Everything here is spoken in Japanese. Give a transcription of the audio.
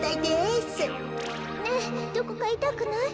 ねえどこかいたくない？